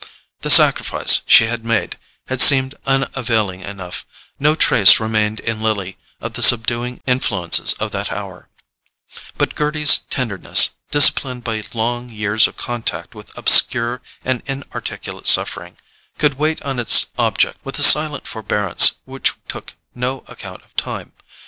The sacrifice she had made had seemed unavailing enough; no trace remained in Lily of the subduing influences of that hour; but Gerty's tenderness, disciplined by long years of contact with obscure and inarticulate suffering, could wait on its object with a silent forbearance which took no account of time.